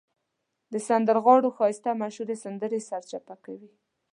د سندرغاړو ښایسته مشهورې سندرې سرچپه کوي.